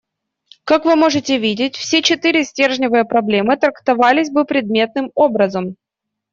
Как вы можете видеть, все четыре стержневые проблемы трактовались бы предметным образом.